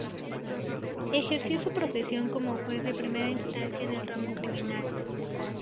Ejerció su profesión como juez de primera instancia en el ramo criminal.